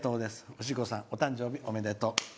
ふじこさん、お誕生日おめでとう。